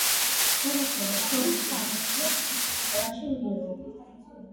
განათლება სოფლის სამრევლო სკოლაში მიიღო.